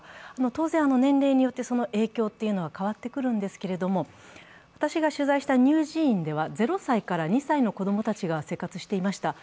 当然、年齢によってその影響というのは変わってくるんですけれども私が取材した乳児院では、０歳から２歳の子供たちが生活していました。